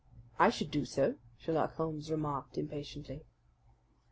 "I should do so," Sherlock Holmes remarked impatiently.